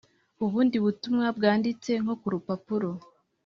ubundi butumwa bwanditse nko ku rupapuro,